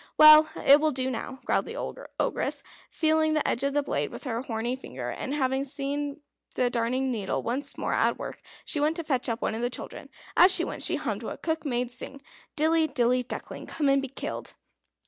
"Well, it will do now," growled the Ogress, feeling the edge of the blade with her horny finger; and, having seen the darning needle once more at work, she went to fetch up one of the children. As she went, she hummed what cookmaids sing "Dilly, dilly duckling, come and be killed!"